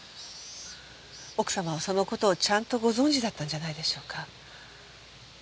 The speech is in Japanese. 奥様はその事をちゃんとご存じだったんじゃないでしょうか。